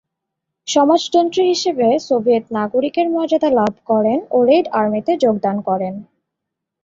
সমাজতন্ত্রী হিসেবে সোভিয়েত নাগরিকের মর্যাদা লাভ করেন ও রেড আর্মিতে যোগদান করেন।